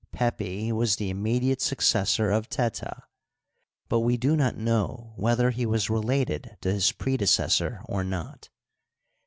Pepi was the immediate successor of Teta, but we do not know whether he was related to his predecessor or not.